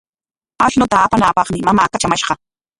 Ashnuta apanaapaqmi mamaa katramashqa.